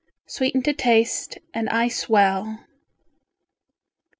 Sweeten to taste and ice well.